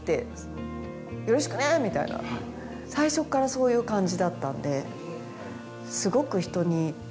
みたいな最初っからそういう感じだったんで。